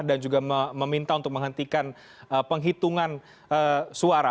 dan juga meminta untuk menghentikan penghitungan suara